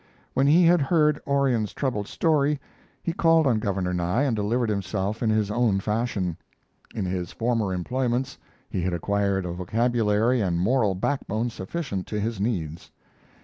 When he had heard Orion's troubled story, he called on Governor Nye and delivered himself in his own fashion. In his former employments he had acquired a vocabulary and moral backbone sufficient to his needs.